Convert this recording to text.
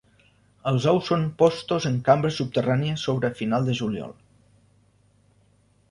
Els ous són posts en cambres subterrànies sobre final de juliol.